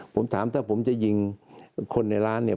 ผมถามถ้าผมจะยิงคนในร้านเนี่ย